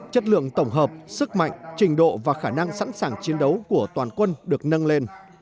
chất lượng tổng hợp sức mạnh trình độ và khả năng sẵn sàng chiến đấu của toàn quân được nâng lên